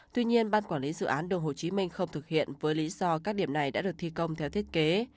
tuy nhiên ban quản lý dự án đường hồ chí minh không thực hiện với lý do các điểm này đã được thi công theo thiết kế